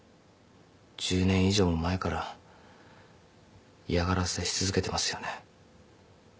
１０年以上も前から嫌がらせし続けてますよね。